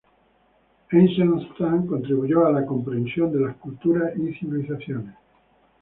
Eisenstadt contribuyó a la comprensión de las culturas y civilizaciones.